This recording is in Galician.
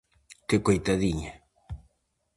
Que coitadiña!